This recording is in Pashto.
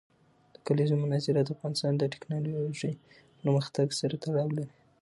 د کلیزو منظره د افغانستان د تکنالوژۍ پرمختګ سره تړاو لري.